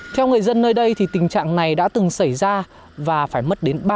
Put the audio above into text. theo người dân nơi đây thì tình trạng này đã từng xảy ra và phải mất đến ba mươi